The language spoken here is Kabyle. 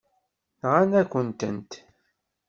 Nɣan-akent-tent.